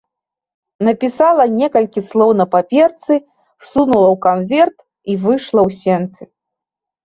Напісала некалькі слоў на паперцы, сунула ў канверт і выйшла ў сенцы.